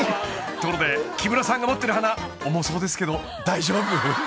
［ところで木村さんが持ってる花重そうですけど大丈夫？］